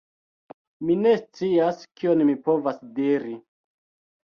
Mi ne scias, kion mi povas diri.